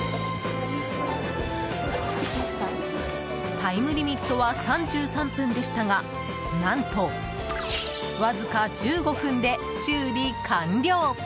タイムリミットは３３分でしたが何と、わずか１５分で修理完了！